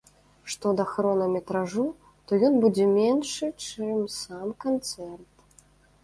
Што да хронаметражу, то ён будзе меншы, чым сам канцэрт.